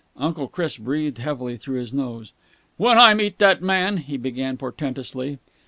Uncle Chris breathed heavily through his nose. "When I meet that man...." he began portentously.